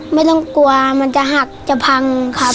ไม่ต้องกลัวมันจะหักจะพังครับ